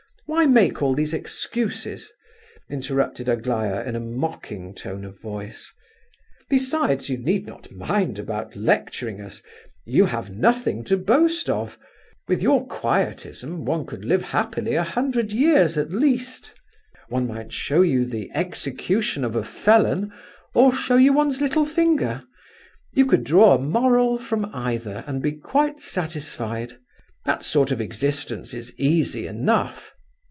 Why make all these excuses?" interrupted Aglaya in a mocking tone of voice. "Besides, you need not mind about lecturing us; you have nothing to boast of. With your quietism, one could live happily for a hundred years at least. One might show you the execution of a felon, or show you one's little finger. You could draw a moral from either, and be quite satisfied. That sort of existence is easy enough."